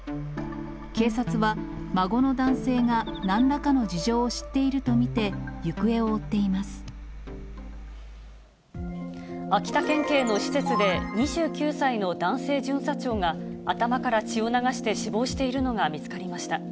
警察は、孫の男性がなんらかの事情を知っていると見て、行方を追っていま秋田県警の施設で、２９歳の男性巡査長が、頭から血を流して死亡しているのが見つかりました。